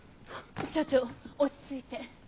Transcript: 社長落ち着いて。